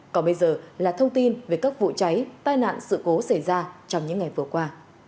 còn bây giờ là thông tin về các vụ cháy tai nạn sự cố xảy ra trong những ngày vừa qua